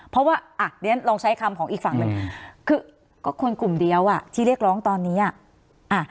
เพราะว่าอ่ะเดี๋ยวฉันลองใช้คำของอีกฝั่งหนึ่งคือก็คนกลุ่มเดียวอ่ะที่เรียกร้องตอนนี้อ่ะ